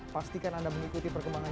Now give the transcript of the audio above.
pastikan anda mengikuti perkembangan